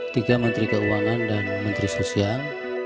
tiga menteri keuangan dan menteri sosial